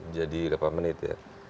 jadi delapan menit ya